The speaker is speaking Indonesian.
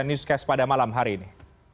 newscast pada malam hari ini